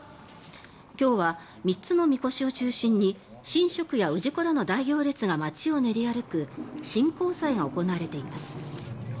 今日は、３つのみこしを中心に神職や氏子らの大行列が街を練り歩く神幸祭が行われています。